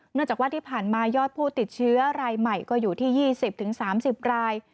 จากว่าที่ผ่านมายอดผู้ติดเชื้อรายใหม่ก็อยู่ที่๒๐๓๐ราย